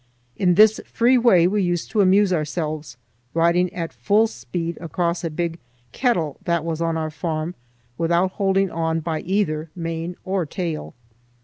In this free way we used to amuse ourselves, riding at full speed across a big "kettle" that was on our farm, without holding on by either mane or tail.